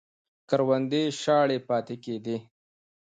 کروندې یې شاړې پاتې کېدې